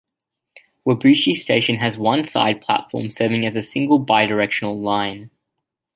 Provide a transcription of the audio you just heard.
Wabuchi Station has one side platform serving a single bi-directional line.